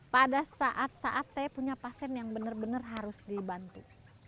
pada saat saat saya punya pasien yang benar benar harus dibantu